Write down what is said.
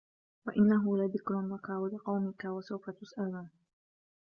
وَإِنَّهُ لَذِكْرٌ لَكَ وَلِقَوْمِكَ وَسَوْفَ تُسْأَلُونَ